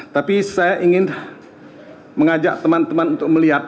tapi saya ingin mengajak teman teman untuk melihat